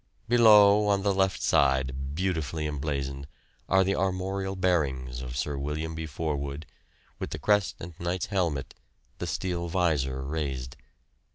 Below, on the left side, beautifully emblazoned, are the armorial bearings of Sir William B. Forwood, with the crest and knight's helmet, the steel visor raised.